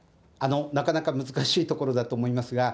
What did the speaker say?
なかなか難しいところだと思いますが。